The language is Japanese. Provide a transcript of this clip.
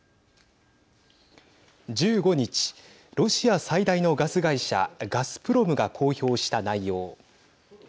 １５日ロシア最大のガス会社ガスプロムが公表した内容。